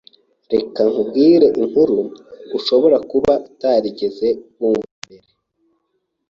Reka nkubwire inkuru ushobora kuba utarigeze wumva mbere.